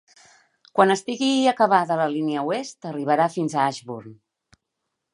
Quan estigi acabada, la línia oest arribarà fins a Ashburn.